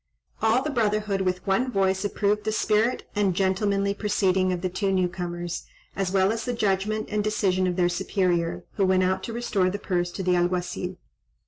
All the brotherhood with one voice approved the spirit and gentlemanly proceeding of the two new comers, as well as the judgment and decision of their superior, who went out to restore the purse to the Alguazil.